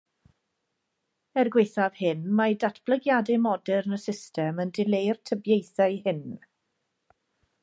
Er gwaethaf hyn, mae datblygiadau modern y system yn dileu'r tybiaethau hyn.